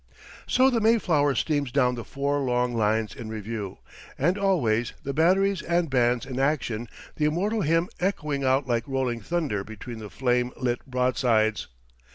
So the Mayflower steams down the four long lines in review; and always the batteries and bands in action, the immortal hymn echoing out like rolling thunder between the flame lit broadsides.